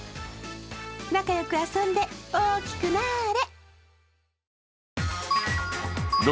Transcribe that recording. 仲良く遊んで、大きくなあれ。